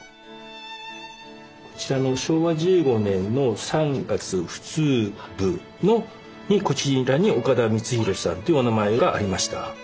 こちらの昭和１５年の「三月普通部」のこちらに岡田光宏さんというお名前がありました。